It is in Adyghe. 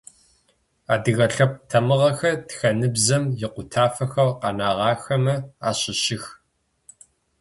Адыгэ лъэпкъ тамыгъэхэр, тхэныбзэм икъутафэхэу къэнагъэхэмэ ащыщых.